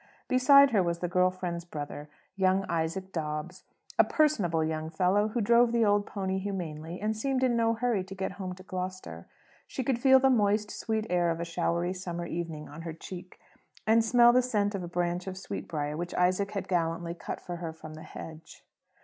Beside her was the girl friend's brother, young Isaac Dobbs: A personable young fellow, who drove the old pony humanely, and seemed in no hurry to get home to Gloucester. She could feel the moist, sweet air of a showery summer evening on her cheek, and smell the scent of a branch of sweetbriar which Isaac had gallantly cut for her from the hedge.